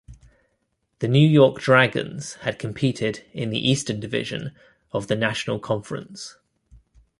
The New York Dragons had competed in the Eastern Division of the National Conference.